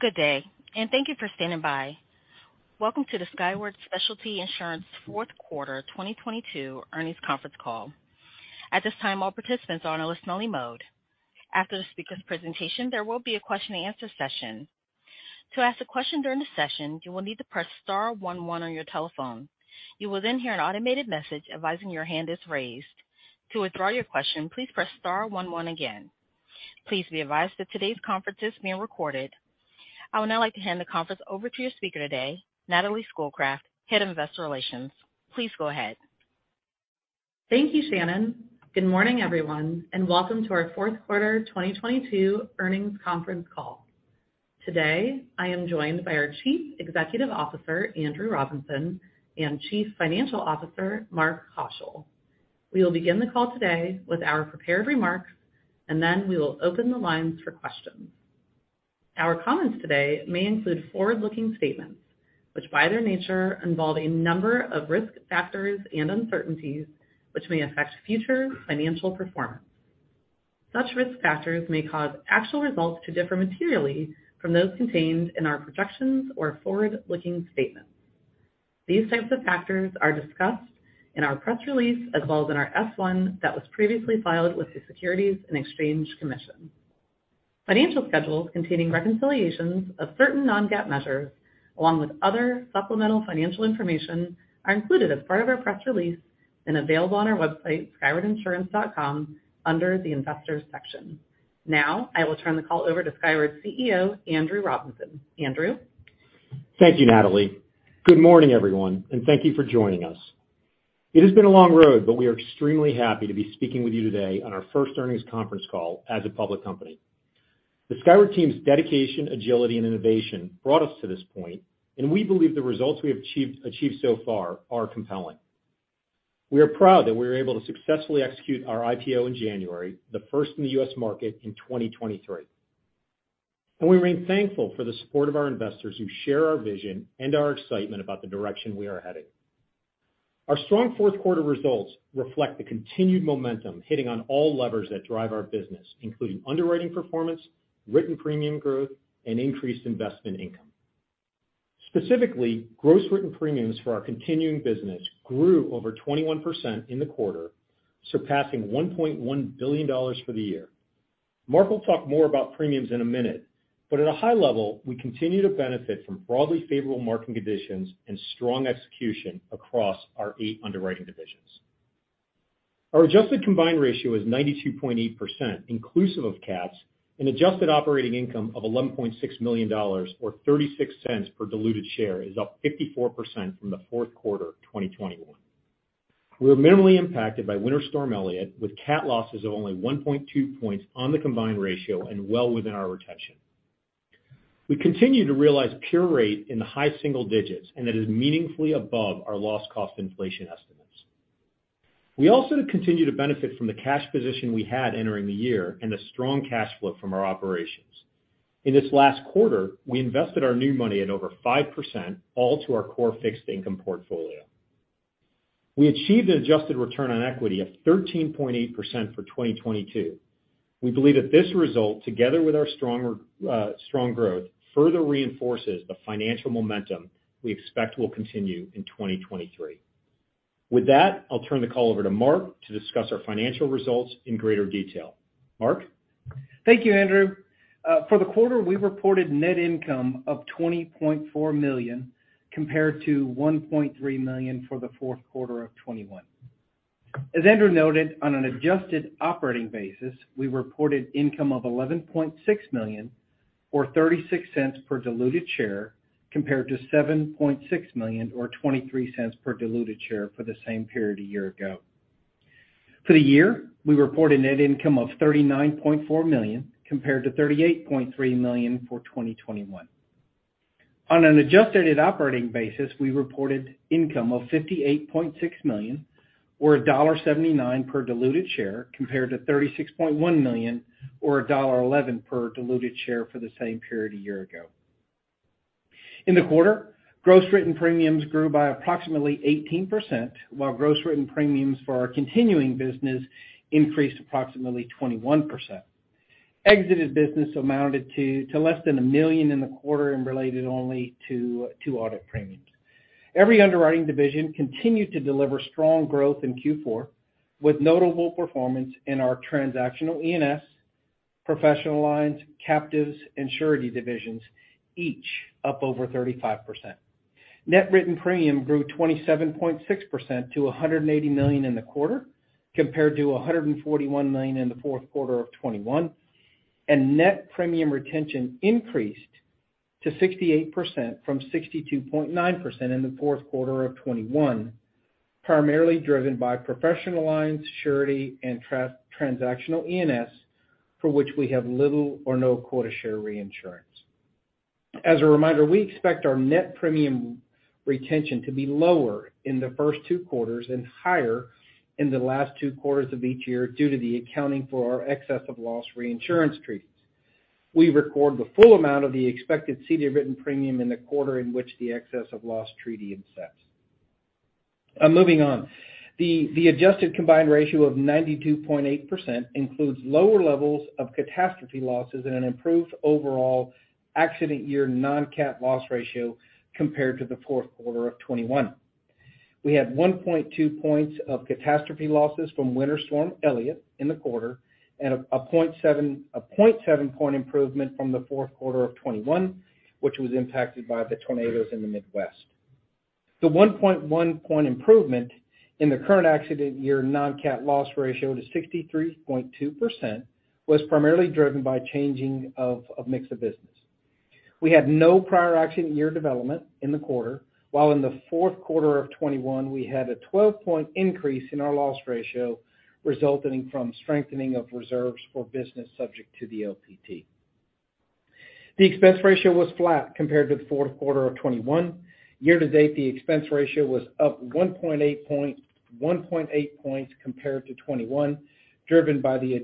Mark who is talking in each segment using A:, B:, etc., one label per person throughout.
A: Good day. Thank you for standing by. Welcome to the Skyward Specialty Insurance fourth quarter 2022 earnings conference call. At this time, all participants are on a listen-only mode. After the speaker's presentation, there will be a question-and-answer session. To ask a question during the session, you will need to press star one one on your telephone. You will then hear an automated message advising your hand is raised. To withdraw your question, please press star one one again. Please be advised that today's conference is being recorded. I would now like to hand the conference over to your speaker today, Natalie Schoolcraft, Head of Investor Relations. Please go ahead.
B: Thank you, Shannon. Good morning, everyone. Welcome to our fourth quarter 2022 earnings conference call. Today, I am joined by our Chief Executive Officer, Andrew Robinson, and Chief Financial Officer, Mark Haushill. We will begin the call today with our prepared remarks. Then we will open the lines for questions. Our comments today may include forward-looking statements, which by their nature involve a number of risk factors and uncertainties which may affect future financial performance. Such risk factors may cause actual results to differ materially from those contained in our projections or forward-looking statements. These types of factors are discussed in our press release, as well as in our S-1 that was previously filed with the Securities and Exchange Commission. Financial schedules containing reconciliations of certain non-GAAP measures, along with other supplemental financial information, are included as part of our press release and available on our website, skywardinsurance.com, under the Investors section. Now, I will turn the call over to Skyward's CEO, Andrew Robinson. Andrew?
C: Thank you, Natalie. Good morning, everyone. Thank you for joining us. It has been a long road. We are extremely happy to be speaking with you today on our first earnings conference call as a public company. The Skyward team's dedication, agility, and innovation brought us to this point. We believe the results we have achieved so far are compelling. We are proud that we were able to successfully execute our IPO in January, the first in the U.S. market in 2023. We remain thankful for the support of our investors who share our vision and our excitement about the direction we are headed. Our strong fourth quarter results reflect the continued momentum hitting on all levers that drive our business, including underwriting performance, written premium growth, and increased investment income. Specifically, gross written premiums for our continuing business grew over 21% in the quarter, surpassing $1.1 billion for the year. Mark will talk more about premiums in a minute, but at a high level, we continue to benefit from broadly favorable market conditions and strong execution across our eight underwriting divisions. Our adjusted combined ratio is 92.8%, inclusive of cats, and adjusted operating income of $11.6 million, or $0.36 per diluted share is up 54% from the fourth quarter of 2021. We were minimally impacted by Winter Storm Elliott, with cat losses of only 1.2 points on the combined ratio and well within our retention. That is meaningfully above our loss cost inflation estimates. We also continue to benefit from the cash position we had entering the year and the strong cash flow from our operations. In this last quarter, we invested our new money at over 5%, all to our core fixed income portfolio. We achieved an adjusted return on equity of 13.8% for 2022. We believe that this result, together with our strong growth, further reinforces the financial momentum we expect will continue in 2023. With that, I'll turn the call over to Mark to discuss our financial results in greater detail. Mark?
D: Thank you, Andrew. For the quarter, we reported net income of $20.4 million compared to $1.3 million for the fourth quarter of 2021. As Andrew noted, on an adjusted operating basis, we reported income of $11.6 million or $0.36 per diluted share, compared to $7.6 million or $0.23 per diluted share for the same period a year ago. For the year, we reported net income of $39.4 million compared to $38.3 million for 2021. On an adjusted operating basis, we reported income of $58.6 million or $1.79 per diluted share compared to $36.1 million or $1.11 per diluted share for the same period a year ago. In the quarter, gross written premiums grew by approximately 18%, while gross written premiums for our continuing business increased approximately 21%. Exited business amounted to less than $1 million in the quarter and related only to two audit premiums. Every underwriting division continued to deliver strong growth in Q4, with notable performance in our transactional E&S, professional lines, captives, and surety divisions, each up over 35%. Net written premium grew 27.6% to $180 million in the quarter compared to $141 million in the fourth quarter of 2021. Net premium retention increased to 68% from 62.9% in the fourth quarter of 2021, primarily driven by professional lines, surety, and transactional E&S, for which we have little or no quota share reinsurance. As a reminder, we expect our net premium retention to be lower in the first two quarters and higher in the last two quarters of each year due to the accounting for our excess of loss reinsurance treaties. We record the full amount of the expected ceded written premium in the quarter in which the excess of loss treaty incepts. Moving on. The adjusted combined ratio of 92.8% includes lower levels of catastrophe losses and an improved overall accident year non-cat loss ratio compared to the fourth quarter of 2021. We had 1.2 points of catastrophe losses from Winter Storm Elliott in the quarter, and a 0.7 point improvement from the fourth quarter of 2021, which was impacted by the tornadoes in the Midwest. The 1.1 point improvement in the current accident year non-cat loss ratio to 63.2% was primarily driven by changing of mix of business. We had no prior accident year development in the quarter, while in the fourth quarter of 2021, we had a 12-point increase in our loss ratio resulting from strengthening of reserves for business subject to the LPT. The expense ratio was flat compared to the fourth quarter of 2021. Year to date, the expense ratio was up 1.8 points compared to 2021, driven by the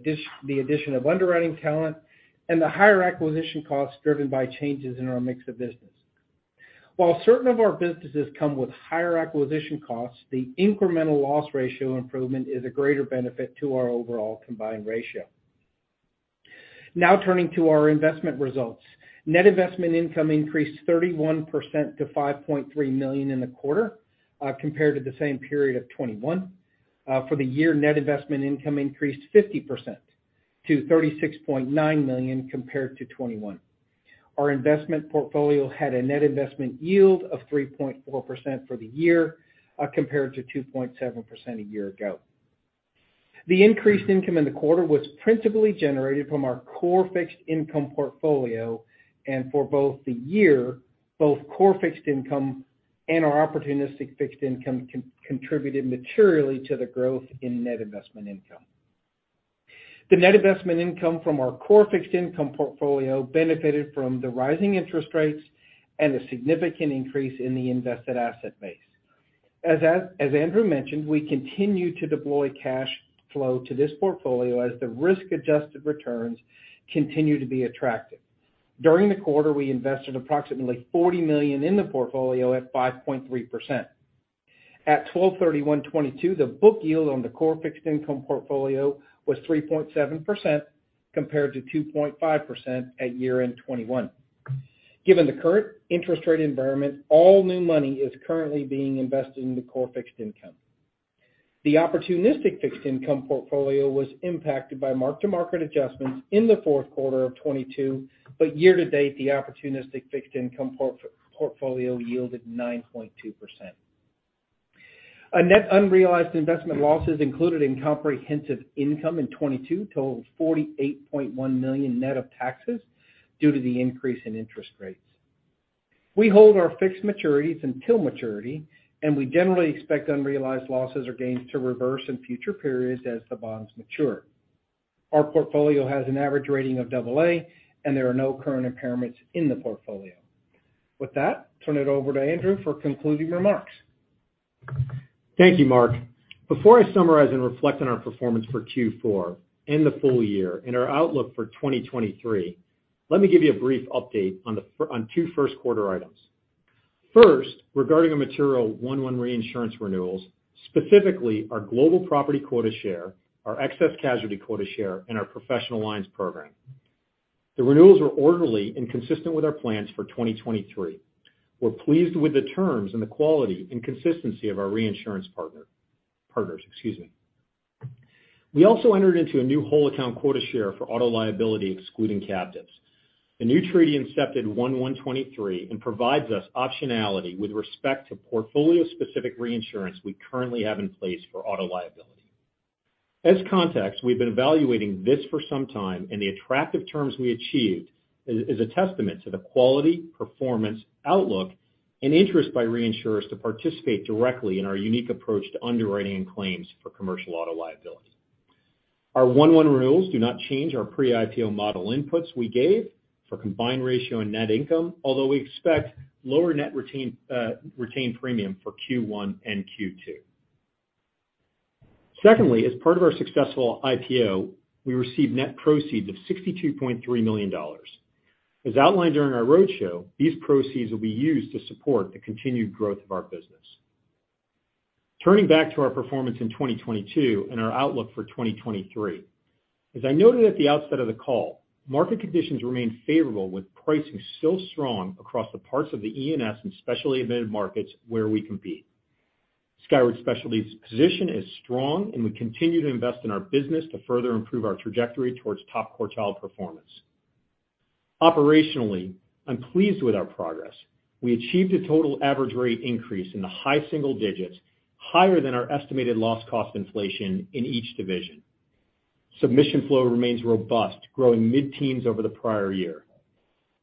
D: addition of underwriting talent and the higher acquisition costs driven by changes in our mix of business. While certain of our businesses come with higher acquisition costs, the incremental loss ratio improvement is a greater benefit to our overall combined ratio. Now turning to our investment results. Net investment income increased 31% to $5.3 million in the quarter, compared to the same period of 2021. For the year, net investment income increased 50% to $36.9 million compared to 2021. Our investment portfolio had a net investment yield of 3.4% for the year, compared to 2.7% a year ago. The increased income in the quarter was principally generated from our core fixed income portfolio, and for both the year, both core fixed income and our opportunistic fixed income contributed materially to the growth in net investment income. The net investment income from our core fixed income portfolio benefited from the rising interest rates and a significant increase in the invested asset base. As Andrew mentioned, we continue to deploy cash flow to this portfolio as the risk-adjusted returns continue to be attractive. During the quarter, we invested approximately $40 million in the portfolio at 5.3%. At 12/31/2022, the book yield on the core fixed income portfolio was 3.7%, compared to 2.5% at year-end 2021. Given the current interest rate environment, all new money is currently being invested in the core fixed income. The opportunistic fixed income portfolio was impacted by mark-to-market adjustments in the fourth quarter of 2022. Year to date, the opportunistic fixed income portfolio yielded 9.2%. Net unrealized investment losses included in comprehensive income in 2022 totaled $48.1 million net of taxes due to the increase in interest rates. We hold our fixed maturities until maturity, and we generally expect unrealized losses or gains to reverse in future periods as the bonds mature. Our portfolio has an average rating of double A, and there are no current impairments in the portfolio. With that, turn it over to Andrew for concluding remarks.
C: Thank you, Mark. Before I summarize and reflect on our performance for Q4 and the full year and our outlook for 2023, let me give you a brief update on two first quarter items. First, regarding our material 1/1 reinsurance renewals, specifically our global property quota share, our excess casualty quota share, and our professional lines program. The renewals were orderly and consistent with our plans for 2023. We are pleased with the terms and the quality and consistency of our reinsurance partners. We also entered into a new whole account quota share for auto liability, excluding captives. The new treaty incepted 1/1/23 and provides us optionality with respect to portfolio-specific reinsurance we currently have in place for auto liability. As context, we have been evaluating this for some time, and the attractive terms we achieved is a testament to the quality, performance, outlook, and interest by reinsurers to participate directly in our unique approach to underwriting and claims for commercial auto liability. Our 1/1 renewals do not change our pre-IPO model inputs we gave for combined ratio and net income. Although we expect lower net retained premium for Q1 and Q2. Secondly, as part of our successful IPO, we received net proceeds of $62.3 million. As outlined during our roadshow, these proceeds will be used to support the continued growth of our business. Turning back to our performance in 2022 and our outlook for 2023. As I noted at the outset of the call, market conditions remain favorable with pricing still strong across the parts of the E&S and specialty admitted markets where we compete. Skyward Specialty's position is strong, and we continue to invest in our business to further improve our trajectory towards top quartile performance. Operationally, I am pleased with our progress. We achieved a total average rate increase in the high single digits, higher than our estimated loss cost inflation in each division. Submission flow remains robust, growing mid-teens over the prior year.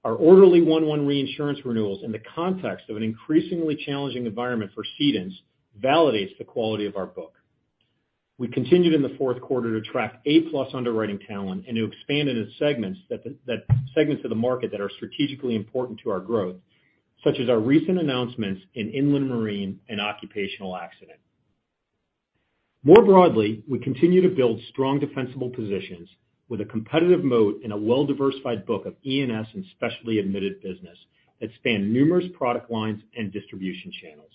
C: Our orderly 1/1 reinsurance renewals in the context of an increasingly challenging environment for cedents validates the quality of our book. We continued in the fourth quarter to attract A+ underwriting talent and to expand into segments of the market that are strategically important to our growth, such as our recent announcements in inland marine and occupational accident. More broadly, we continue to build strong defensible positions with a competitive moat in a well-diversified book of E&S and specialty admitted business that span numerous product lines and distribution channels.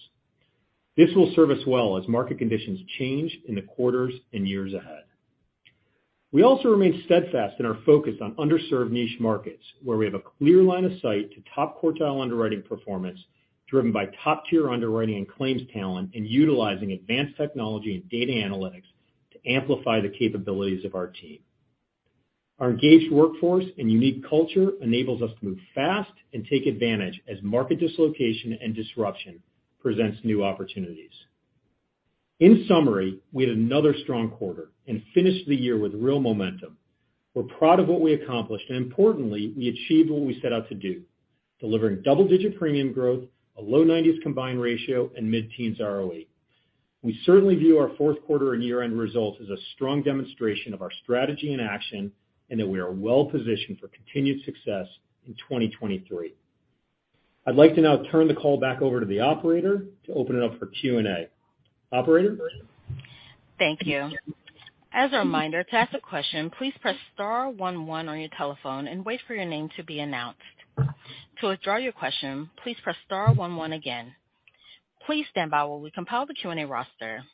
C: This will serve us well as market conditions change in the quarters and years ahead. We also remain steadfast in our focus on underserved niche markets where we have a clear line of sight to top quartile underwriting performance driven by top-tier underwriting and claims talent and utilizing advanced technology and data analytics to amplify the capabilities of our team. Our engaged workforce and unique culture enables us to move fast and take advantage as market dislocation and disruption presents new opportunities. In summary, we had another strong quarter and finished the year with real momentum. We are proud of what we accomplished, and importantly, we achieved what we set out to do, delivering double-digit premium growth, a low nineties combined ratio and mid-teens ROE. We certainly view our fourth quarter and year-end results as a strong demonstration of our strategy in action, and that we are well-positioned for continued success in 2023. I'd like to now turn the call back over to the operator to open it up for Q&A. Operator?
A: Thank you. As a reminder, to ask a question, please press star one one on your telephone and wait for your name to be announced. To withdraw your question, please press star one one again. Please stand by while we compile the Q&A roster.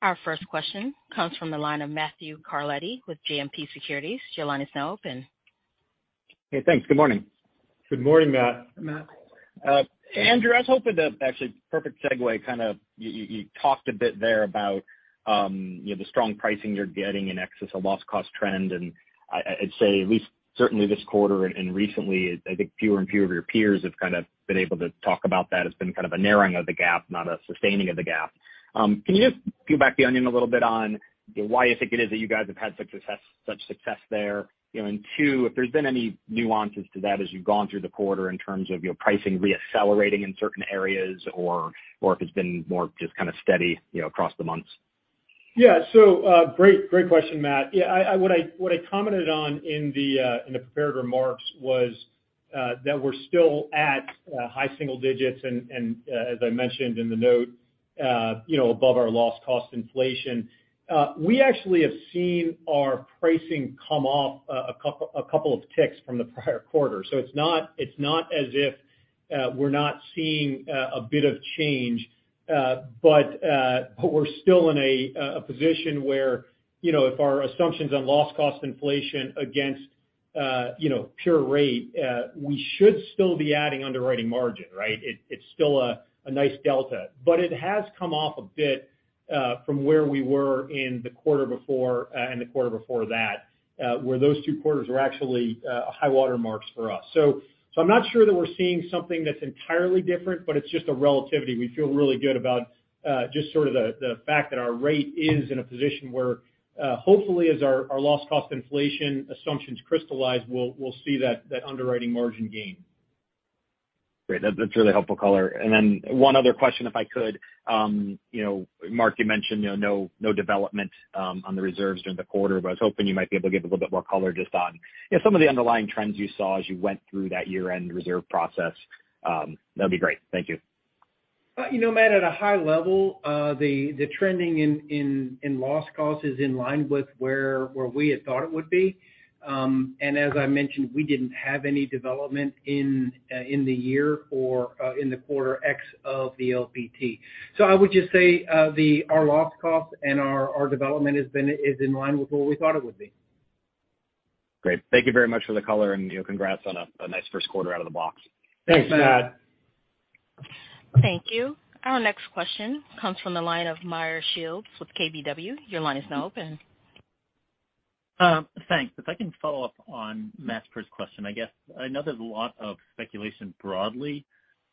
A: Our first question comes from the line of Matthew Carletti with JMP Securities. Your line is now open.
E: Hey, thanks. Good morning.
C: Good morning, Matt.
B: Matt.
E: Andrew, perfect segue. You talked a bit there about the strong pricing you're getting in excess of loss cost trend. I'd say at least certainly this quarter and recently, I think fewer and fewer of your peers have been able to talk about that. It's been kind of a narrowing of the gap, not a sustaining of the gap. Can you just peel back the onion a little bit on why you think it is that you guys have had such success there? Two, if there's been any nuances to that as you've gone through the quarter in terms of your pricing re-accelerating in certain areas, or if it's been more just kind of steady across the months.
C: Great question, Matt. What I commented on in the prepared remarks was that we're still at high single digits and as I mentioned in the note above our loss cost inflation. We actually have seen our pricing come off a couple of ticks from the prior quarter. It's not as if we're not seeing a bit of change. We're still in a position where if our assumptions on loss cost inflation against pure rate, we should still be adding underwriting margin, right? It's still a nice delta. It has come off a bit, from where we were in the quarter before and the quarter before that, where those two quarters were actually high water marks for us. I'm not sure that we're seeing something that's entirely different, but it's just a relativity. We feel really good about just sort of the fact that our rate is in a position where, hopefully as our loss cost inflation assumptions crystallize, we'll see that underwriting margin gain.
E: Great. That's really helpful color. Then one other question, if I could. Mark, you mentioned no development on the reserves during the quarter, but I was hoping you might be able to give a little bit more color just on some of the underlying trends you saw as you went through that year-end reserve process. That'd be great. Thank you.
D: Matt, at a high level, the trending in loss cost is in line with where we had thought it would be. As I mentioned, we didn't have any development in the year or in the quarter X of the LPT. I would just say our loss cost and our development is in line with what we thought it would be.
E: Great. Thank you very much for the color, and congrats on a nice first quarter out of the box.
C: Thanks, Matt.
D: Thanks, Matt.
A: Thank you. Our next question comes from the line of Meyer Shields with KBW. Your line is now open.
F: Thanks. If I can follow up on Matt's first question, I guess. I know there's a lot of speculation broadly,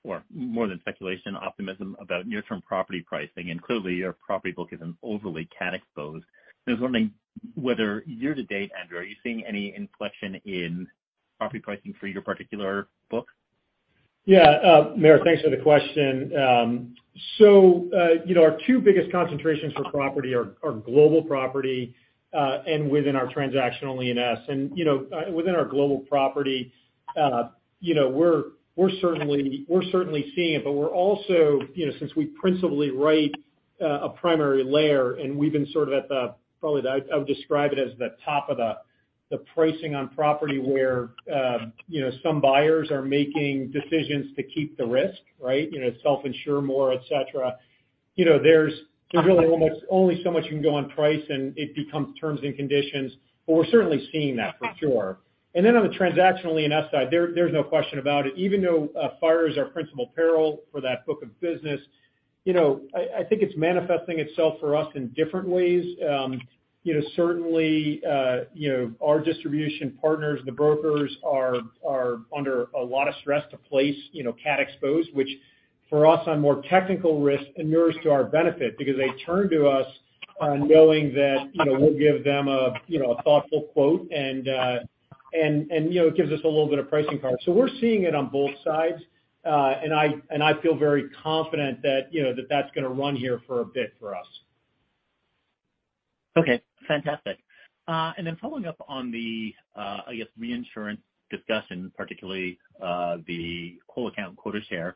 F: or more than speculation, optimism about near-term property pricing. Clearly your property book isn't overly cat exposed. I was wondering whether year to date, Andrew, are you seeing any inflection in property pricing for your particular book?
C: Yeah. Meyer, thanks for the question. Our two biggest concentrations for property are global property, and within our transactional E&S. Within our global property, we're certainly seeing it, but we're also, since we principally write a primary layer. We've been sort of at the, probably I would describe it as the top of the pricing on property where some buyers are making decisions to keep the risk, right? Self-insure more, et cetera. There's really almost only so much you can go on price. It becomes terms and conditions, but we're certainly seeing that, for sure. Then on the transactional E&S side, there's no question about it. Even though fires are our principal peril for that book of business, I think it's manifesting itself for us in different ways. Certainly, our distribution partners, the brokers are under a lot of stress to place cat exposed, which for us on more technical risk inures to our benefit because they turn to us knowing that we'll give them a thoughtful quote and it gives us a little bit of pricing power. We're seeing it on both sides. I feel very confident that that's going to run here for a bit for us.
F: Okay, fantastic. Following up on the, I guess, reinsurance discussion, particularly the whole account quota share.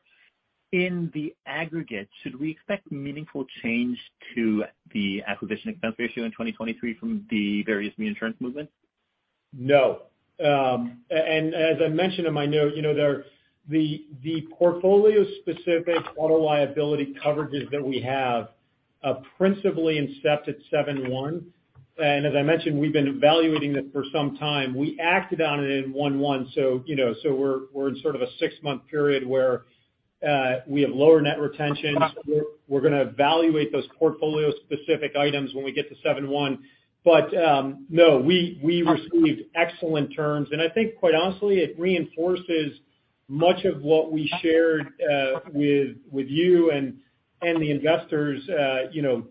F: In the aggregate, should we expect meaningful change to the acquisition expense ratio in 2023 from the various reinsurance movements?
C: No. As I mentioned in my note, the portfolio specific auto liability coverages that we have principally incepted at seven one, as I mentioned, we've been evaluating this for some time. We acted on it in one one, so we're in sort of a six-month period where we have lower net retention. We're going to evaluate those portfolio specific items when we get to seven one. No, we received excellent terms, and I think, quite honestly, it reinforces much of what we shared with you and the investors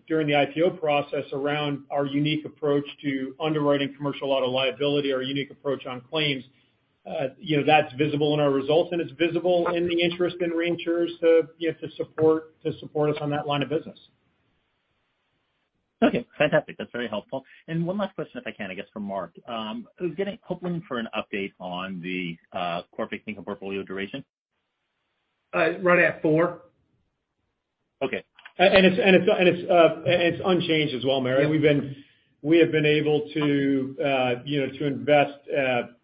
C: during the IPO process around our unique approach to underwriting commercial auto liability, our unique approach on claims. That's visible in our results, and it's visible in the interest in reinsurers to support us on that line of business.
F: Okay, fantastic. That's very helpful. One last question, if I can, I guess, for Mark. I was hoping for an update on the core fixed income portfolio duration.
D: Right at four.
F: Okay.
D: It's unchanged as well, Meyer. Yeah. We have been able to invest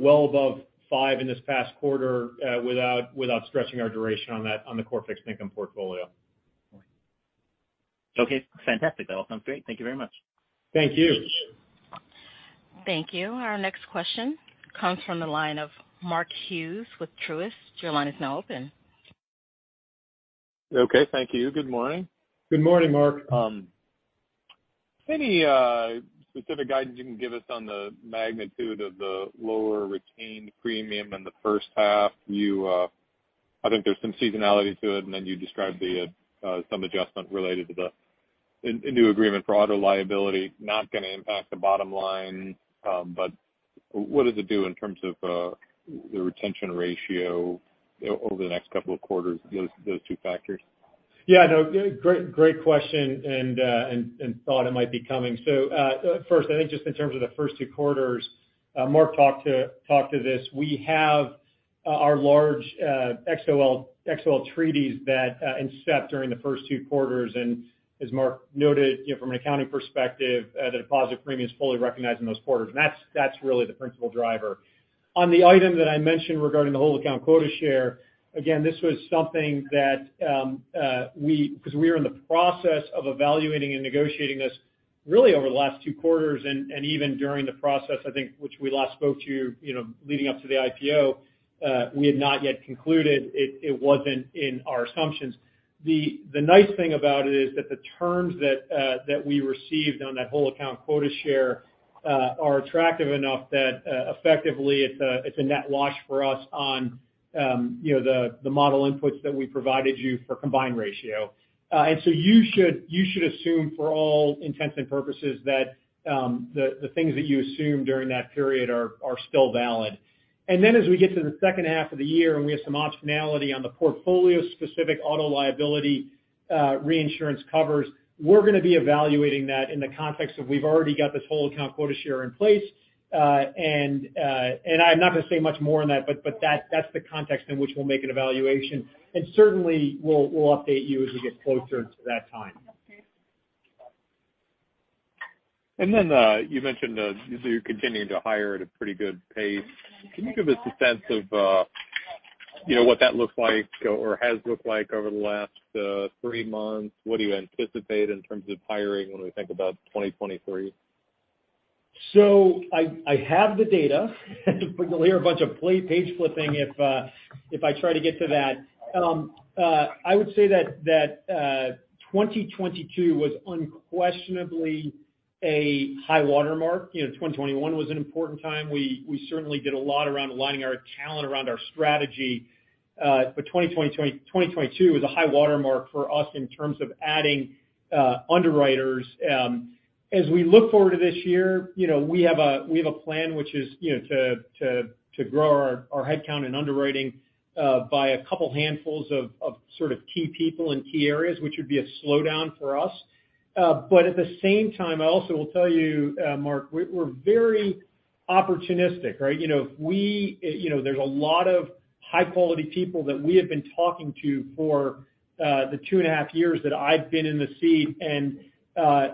D: well above five in this past quarter without stressing our duration on the core fixed income portfolio.
F: Okay, fantastic. That all sounds great. Thank you very much.
C: Thank you.
A: Thank you. Our next question comes from the line of Mark Hughes with Truist. Your line is now open.
G: Okay, thank you. Good morning.
C: Good morning, Mark.
G: Any specific guidance you can give us on the magnitude of the lower retained premium in the first half? I think there's some seasonality to it, and then you described some adjustment related to the new agreement for auto liability not going to impact the bottom line. What does it do in terms of the retention ratio over the next couple of quarters, those two factors?
C: Great question. Thought it might be coming. First, I think just in terms of the first two quarters, Mark Haushill talked to this. We have our large XOL treaties that incept during the first two quarters, and as Mark Haushill noted, from an accounting perspective, the deposit premium is fully recognized in those quarters, and that's really the principal driver. On the item that I mentioned regarding the whole account quota share, again, this was something that because we were in the process of evaluating and negotiating this really over the last two quarters and even during the process, I think, which we last spoke to you leading up to the IPO, we had not yet concluded. It wasn't in our assumptions. The nice thing about it is that the terms that we received on that whole account quota share are attractive enough that effectively it's a net wash for us on the model inputs that we provided you for combined ratio. You should assume for all intents and purposes, that the things that you assumed during that period are still valid. As we get to the second half of the year, and we have some optionality on the portfolio specific auto liability reinsurance covers, we're going to be evaluating that in the context of we've already got this whole account quota share in place. I'm not going to say much more on that, but that's the context in which we'll make an evaluation and certainly we'll update you as we get closer to that time.
G: You mentioned that you're continuing to hire at a pretty good pace. Can you give us a sense of what that looks like or has looked like over the last three months? What do you anticipate in terms of hiring when we think about 2023?
C: I have the data but you'll hear a bunch of page flipping if I try to get to that. I would say that 2022 was unquestionably a high watermark. 2021 was an important time. We certainly did a lot around aligning our talent around our strategy. 2022 was a high watermark for us in terms of adding underwriters. As we look forward to this year, we have a plan which is to grow our headcount in underwriting by a couple handfuls of sort of key people in key areas, which would be a slowdown for us. At the same time, I also will tell you, Mark Haushill, we're very opportunistic, right? There's a lot of high-quality people that we have been talking to for the two and a half years that I've been in the seat.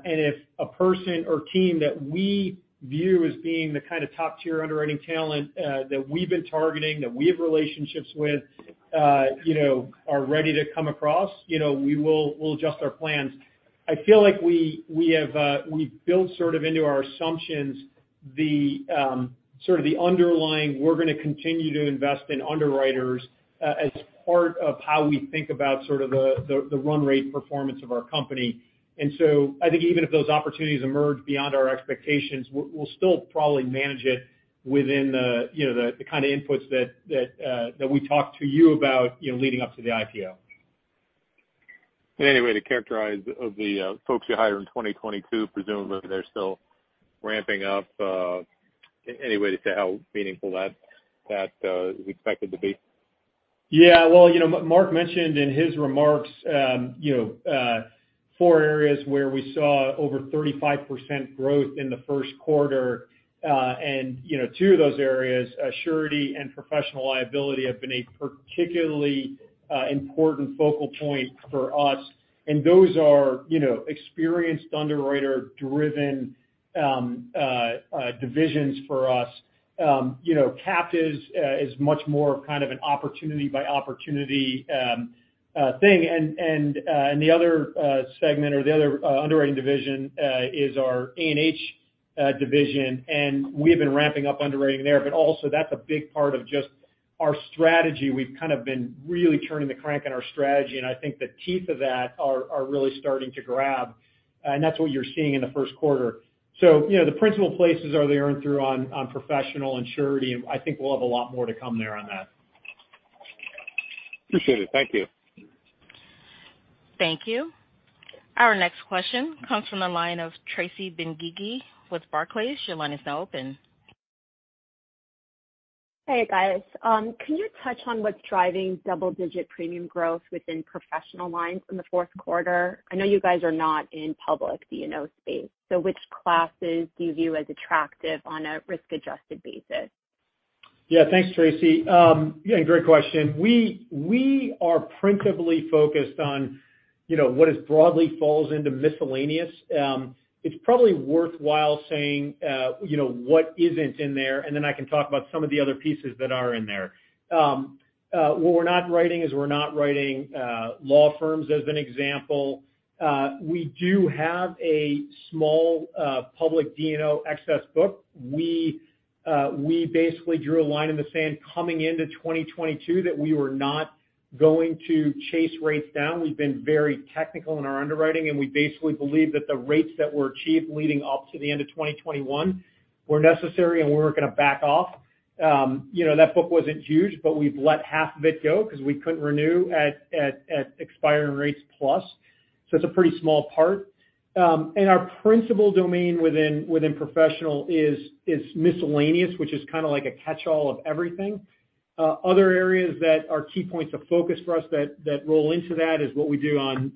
C: If a person or team that we view as being the kind of top-tier underwriting talent that we've been targeting, that we have relationships with are ready to come across, we'll adjust our plans. I feel like we've built sort of into our assumptions, the underlying, we're going to continue to invest in underwriters as part of how we think about the run rate performance of our company. So I think even if those opportunities emerge beyond our expectations, we'll still probably manage it within the kind of inputs that we talked to you about leading up to the IPO.
G: Any way to characterize of the folks you hired in 2022, presumably they're still ramping up. Any way to how meaningful that is expected to be?
C: Mark mentioned in his remarks four areas where we saw over 35% growth in the first quarter. Two of those areas, surety and professional liability, have been a particularly important focal point for us. Those are experienced underwriter-driven divisions for us. Captive is much more of an opportunity by opportunity thing. The other segment or the other underwriting division is our A&H division, and we have been ramping up underwriting there. Also, that's a big part of just our strategy. We've been really turning the crank on our strategy, and I think the teeth of that are really starting to grab. That's what you're seeing in the first quarter. The principal places are the earn through on professional and surety, and I think we'll have a lot more to come there on that.
G: Appreciate it. Thank you.
A: Thank you. Our next question comes from the line of Tracy Benguigui with Barclays. Your line is now open.
H: Hey, guys. Can you touch on what's driving double-digit premium growth within professional lines in the fourth quarter? I know you guys are not in public D&O space. Which classes do you view as attractive on a risk-adjusted basis?
C: Yeah. Thanks, Tracy. Yeah, great question. We are principally focused on what is broadly falls into miscellaneous. It's probably worthwhile saying what isn't in there, and then I can talk about some of the other pieces that are in there. What we're not writing is we're not writing law firms, as an example. We do have a small public D&O excess book. We basically drew a line in the sand coming into 2022 that we were not going to chase rates down. We've been very technical in our underwriting, and we basically believe that the rates that were achieved leading up to the end of 2021 were necessary, and we weren't going to back off. That book wasn't huge, but we've let half of it go because we couldn't renew at expiring rates plus. It's a pretty small part. Our principal domain within professional is miscellaneous, which is like a catchall of everything. Other areas that are key points of focus for us that roll into that is what we do on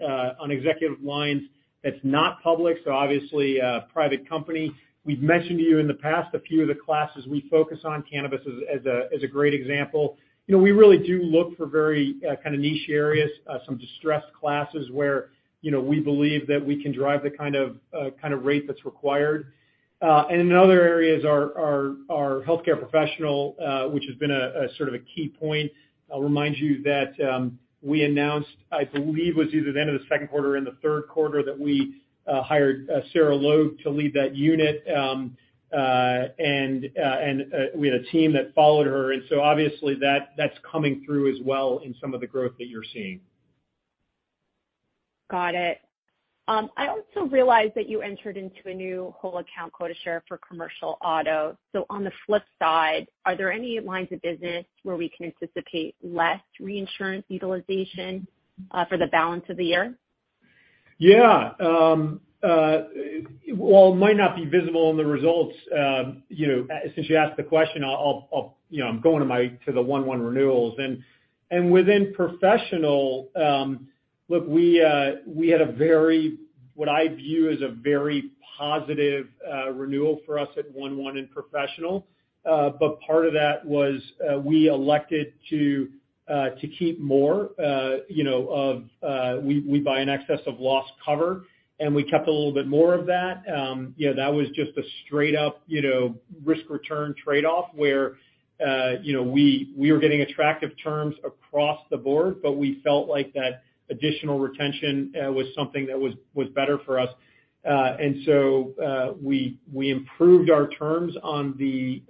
C: executive lines that's not public, so obviously a private company. We've mentioned to you in the past a few of the classes we focus on. Cannabis is a great example. We really do look for very niche areas, some distressed classes where we believe that we can drive the kind of rate that's required. In other areas are our healthcare professional, which has been a key point. I'll remind you that we announced, I believe it was either the end of the second quarter or in the third quarter, that we hired Sarah Logue to lead that unit. We had a team that followed her. obviously that's coming through as well in some of the growth that you're seeing.
H: Got it. I also realized that you entered into a new whole account quota share for commercial auto. On the flip side, are there any lines of business where we can anticipate less reinsurance utilization for the balance of the year?
C: Yeah. Well, it might not be visible in the results. Since you asked the question, I'm going to the 1/1 renewals. Within professional, look, we had a very, what I view as a very positive renewal for us at 1/1 in professional. Part of that was we elected to keep more of-- we buy an excess of loss cover, and we kept a little bit more of that. That was just a straight up risk return trade-off, where we were getting attractive terms across the board, but we felt like that additional retention was something that was better for us. We improved our terms on the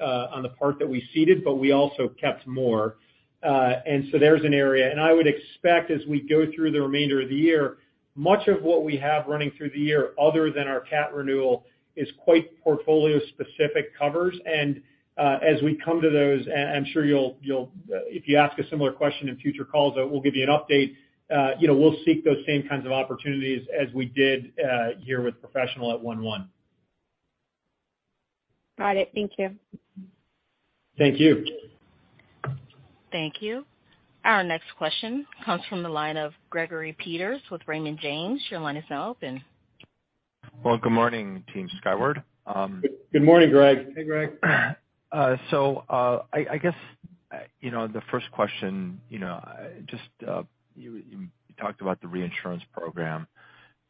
C: part that we ceded, but we also kept more. There's an area. I would expect as we go through the remainder of the year, much of what we have running through the year, other than our cat renewal, is quite portfolio specific covers. As we come to those, I'm sure if you ask a similar question in future calls, we'll give you an update. We'll seek those same kinds of opportunities as we did here with professional at 1/1.
H: Got it. Thank you.
C: Thank you.
A: Thank you. Our next question comes from the line of Gregory Peters with Raymond James. Your line is now open.
I: Well, good morning, Team Skyward.
D: Good morning, Greg. Hey, Greg.
I: I guess the first question, just you talked about the reinsurance program.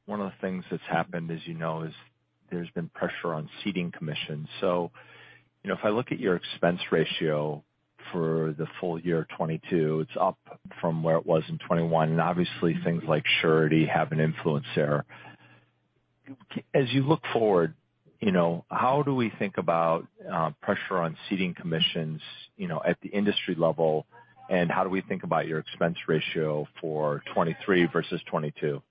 I: One of the things that's happened, as you know, is there's been pressure on ceding commissions. If I look at your expense ratio for the full year 2022, it's up from where it was in 2021. Obviously things like surety have an influence there. As you look forward, how do we think about pressure on ceding commissions at the industry level, and how do we think about your expense ratio for 2023 versus 2022?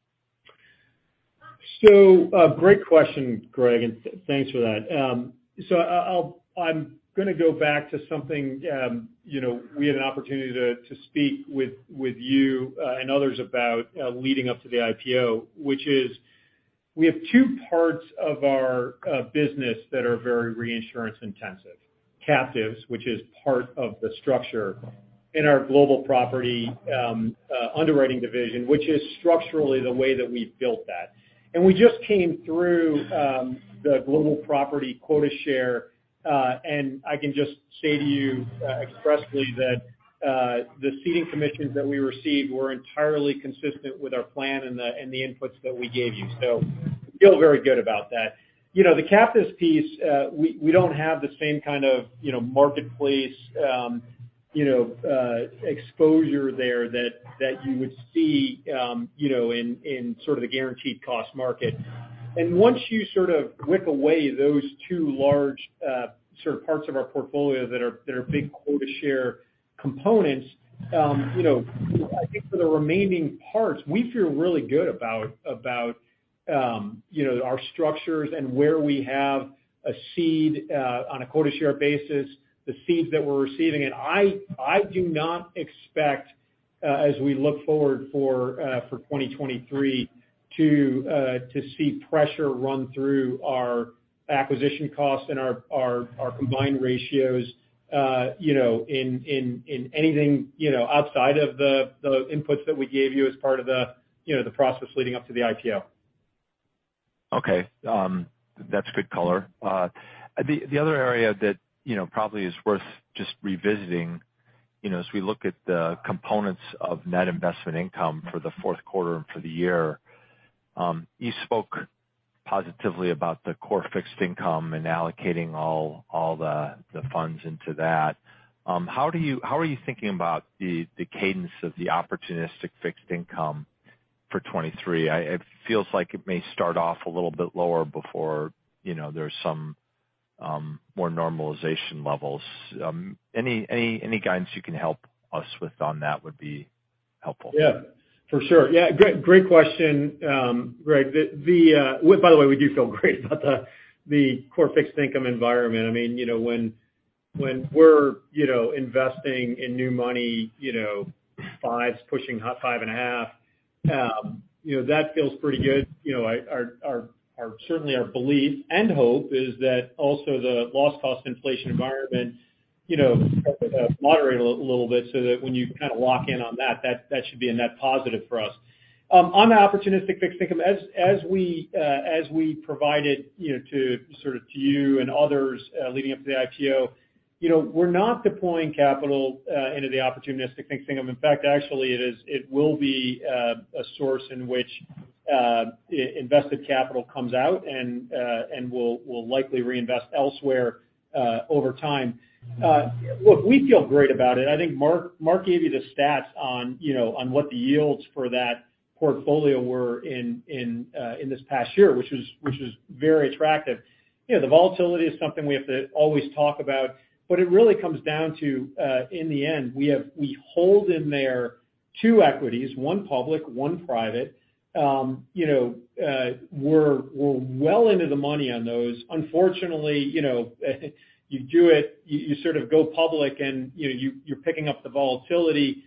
C: Great question, Greg, and thanks for that. I'm going to go back to something we had an opportunity to speak with you and others about leading up to the IPO, which is We have two parts of our business that are very reinsurance intensive. Captives, which is part of the structure in our global property underwriting division, which is structurally the way that we've built that. We just came through the global property quota share, and I can just say to you expressly that the ceding commissions that we received were entirely consistent with our plan and the inputs that we gave you. We feel very good about that. The captives piece, we don't have the same kind of marketplace exposure there that you would see in the guaranteed cost market. Once you wick away those two large parts of our portfolio that are big quota share components, I think for the remaining parts, we feel really good about our structures and where we have a cede on a quota share basis, the cedes that we're receiving. I do not expect, as we look forward for 2023, to see pressure run through our acquisition costs and our combined ratios, in anything outside of the inputs that we gave you as part of the process leading up to the IPO.
I: Okay. That's good color. The other area that probably is worth just revisiting, as we look at the components of net investment income for the fourth quarter and for the year. You spoke positively about the core fixed income and allocating all the funds into that. How are you thinking about the cadence of the opportunistic fixed income for 2023? It feels like it may start off a little bit lower before there's some more normalization levels. Any guidance you can help us with on that would be helpful.
C: Yeah. For sure. Great question, Greg. By the way, we do feel great about the core fixed income environment. When we're investing in new money, fives pushing five and a half, that feels pretty good. Certainly our belief and hope is that also the loss cost inflation environment will moderate a little bit, so that when you lock in on that should be a net positive for us. On the opportunistic fixed income, as we provided to you and others leading up to the IPO, we're not deploying capital into the opportunistic fixed income. In fact, actually, it will be a source in which invested capital comes out and we'll likely reinvest elsewhere over time. Look, we feel great about it. I think Mark gave you the stats on what the yields for that portfolio were in this past year, which was very attractive. The volatility is something we have to always talk about, but it really comes down to, in the end, we hold in there two equities, one public, one private. We're well into the money on those. Unfortunately, you do it, you go public, and you're picking up the volatility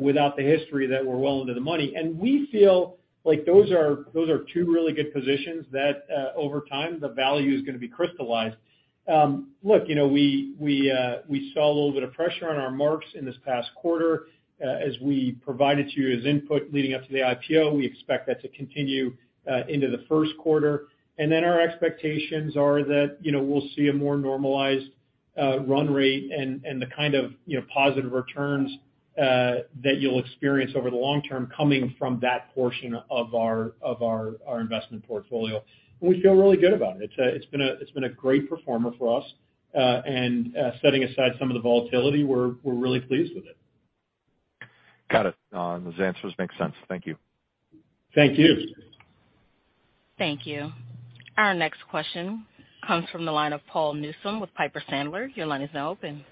C: without the history that we're well into the money. We feel like those are two really good positions that over time the value is going to be crystallized. Look, we saw a little bit of pressure on our marks in this past quarter. As we provided to you as input leading up to the IPO, we expect that to continue into the first quarter. Then our expectations are that we'll see a more normalized run rate and the kind of positive returns that you'll experience over the long term coming from that portion of our investment portfolio. We feel really good about it. It's been a great performer for us. Setting aside some of the volatility, we're really pleased with it.
I: Got it. Those answers make sense. Thank you.
C: Thank you.
A: Thank you. Our next question comes from the line of Paul Newsome with Piper Sandler. Your line is now open.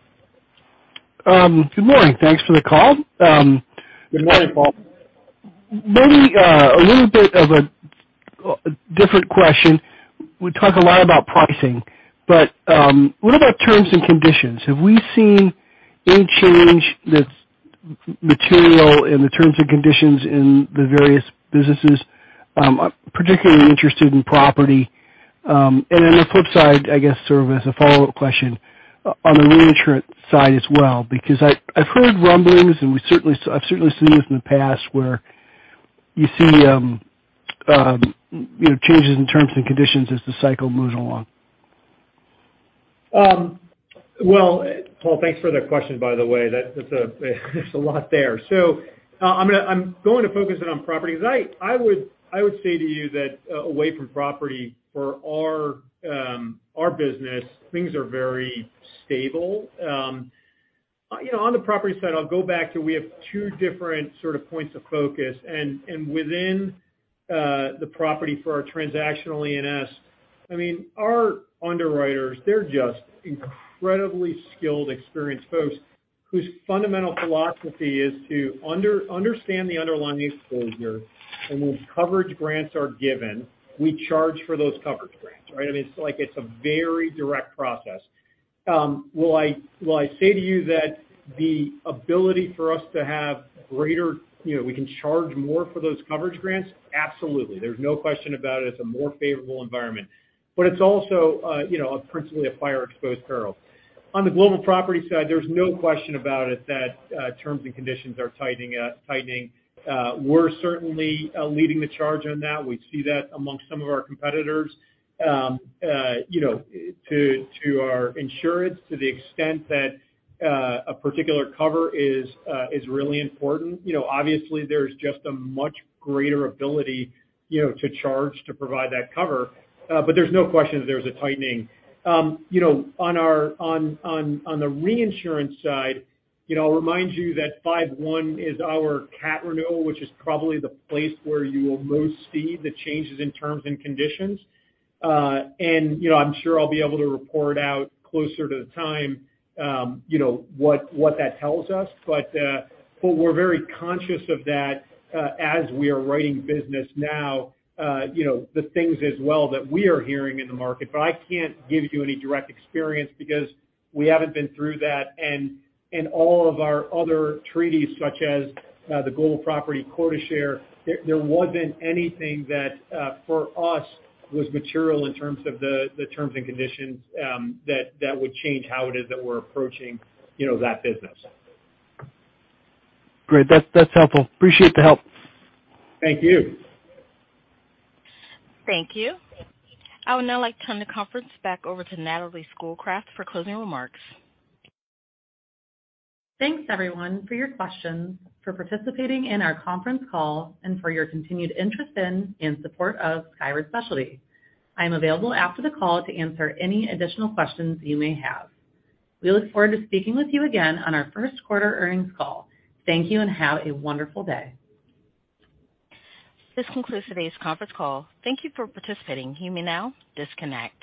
J: Good morning. Thanks for the call.
C: Good morning, Paul.
J: Maybe a little bit of a different question. We talk a lot about pricing, but what about terms and conditions? Have we seen any change that's material in the terms and conditions in the various businesses? I'm particularly interested in property. On the flip side, I guess sort of as a follow-up question, on the reinsurance side as well, because I've heard rumblings, and I've certainly seen this in the past, where you see changes in terms and conditions as the cycle moves along.
C: Well, Paul, thanks for the question, by the way. That's a lot there. I'm going to focus it on property, because I would say to you that away from property for our business, things are very stable. On the property side, I'll go back to we have two different points of focus, and within the property for our transactional E&S. Our underwriters, they're just incredibly skilled, experienced folks, whose fundamental philosophy is to understand the underlying exposure, and when coverage grants are given, we charge for those coverage grants, right? It's a very direct process. Will I say to you that the ability for us to have greater, we can charge more for those coverage grants? Absolutely. There's no question about it. It's a more favorable environment. It's also principally a fire-exposed peril. On the global property side, there's no question about it that terms and conditions are tightening. We're certainly leading the charge on that. We see that amongst some of our competitors. To our insurance, to the extent that a particular cover is really important. Obviously, there's just a much greater ability to charge to provide that cover. There's no question that there's a tightening. On the reinsurance side, I'll remind you that 5/1 is our cat renewal, which is probably the place where you will most see the changes in terms and conditions. I'm sure I'll be able to report out closer to the time what that tells us. We're very conscious of that as we are writing business now, the things as well that we are hearing in the market. I can't give you any direct experience because we haven't been through that. All of our other treaties, such as the global property quota share, there wasn't anything that for us was material in terms of the terms and conditions that would change how it is that we're approaching that business.
J: Great. That's helpful. Appreciate the help.
C: Thank you.
A: Thank you. I would now like to turn the conference back over to Natalie Schoolcraft for closing remarks.
B: Thanks, everyone, for your questions, for participating in our conference call, and for your continued interest in and support of Skyward Specialty. I am available after the call to answer any additional questions you may have. We look forward to speaking with you again on our first quarter earnings call. Thank you, and have a wonderful day.
A: This concludes today's conference call. Thank you for participating. You may now disconnect.